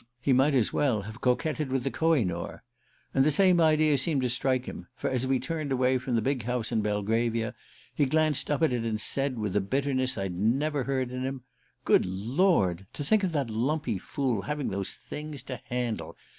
He might as well have coquetted with the Kohinoor. And the same idea seemed to strike him; for as we turned away from the big house in Belgravia he glanced up at it and said, with a bitterness I'd never heard in him: "Good Lord! To think of that lumpy fool having those things to handle!